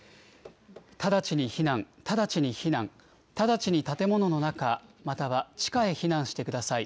直ちに避難、直ちに避難、直ちに建物の中、または地下へ避難してください。